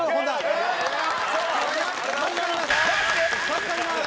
助かります。